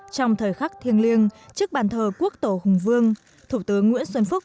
trong thời khắc thiêng liêng trước bàn thờ quốc tổ hùng vương thủ tướng nguyễn xuân phúc